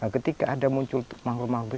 ketika ada muncul mangrove mangkus